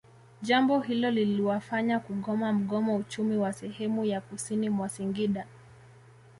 Jambo hilo liliwafanya kugoma mgomo Uchumi wa sehemu ya kusini mwa Singida